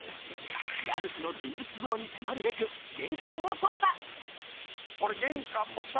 家主の人物像に迫るべくこれ玄関もさ